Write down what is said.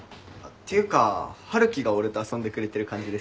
ていうか春樹が俺と遊んでくれてる感じです。